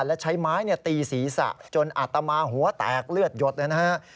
และใช้ไม้ตีศีรษะจนอาตมาหัวแตกเลือดหยดเลยนะฮะ